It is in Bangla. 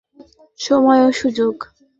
আর তার জন্য আমার চাই সময় ও সুযোগ।